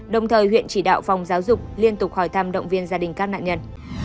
đồng thời huyện chỉ đạo phòng giáo dục liên tục hỏi thăm động viên gia đình các nạn nhân